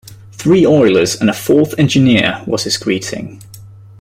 Three oilers and a fourth engineer, was his greeting.